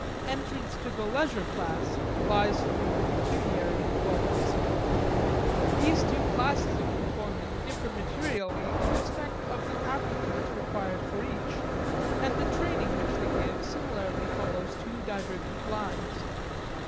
Entrance to the leisure class lies through the pecuniary employments. These two classes of employment differ materially in respect of the aptitudes required for each; and the training which they give similarly follows two divergent lines.